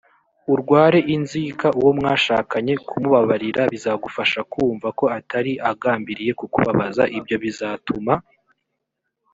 urware inzika uwo mwashakanye kumubabarira bizagufasha kumva ko atari agambiriye kukubabaza ibyo bizatuma